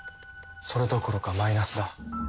それどころかマイナスだ。